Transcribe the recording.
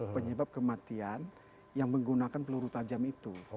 penyebab kematian yang menggunakan peluru tajam itu